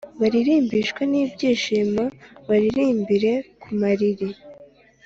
Baririmbishwe n ibyishimo Baririmbire ku mariri